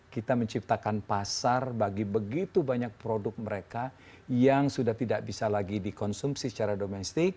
kita menciptakan pasar bagi begitu banyak produk mereka yang sudah tidak bisa lagi dikonsumsi secara domestik